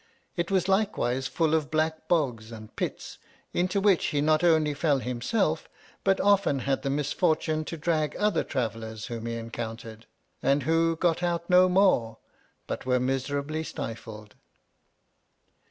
It was likewise full of black bogs and pits, into which he not only fell himself, but often had the misfortune to drag other travellers whom he encountered, and who got out no more, but were miserably stifled.